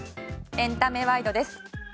エンタメワイドです。